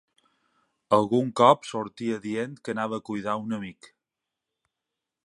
Algun cop sortia dient que anava a cuidar a un amic